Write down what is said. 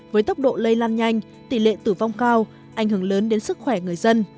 với tốc độ lây lan nhanh tỷ lệ tử vong cao ảnh hưởng lớn đến sức khỏe người dân